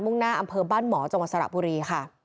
่งหน้าอำเภอบ้านหมอจังหวัดสระบุรีค่ะ